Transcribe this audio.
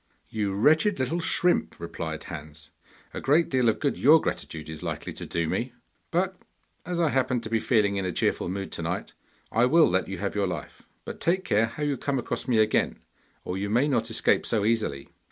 'You wretched little shrimp,' replied Hans, 'a great deal of good your gratitude is likely to do me! But as I happen to be feeling in a cheerful mood to night I will let you have your life. But take care how you come across me again, or you may not escape so easily!